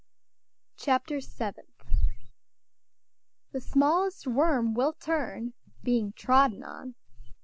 CHAPTER SEVENTH "The smallest worm will turn, being trodden on."